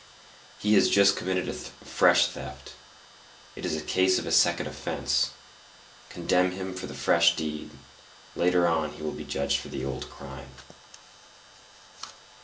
He has just committed a fresh theft; it is a case of a second offence; condemn him for the fresh deed; later on he will be judged for the old crime."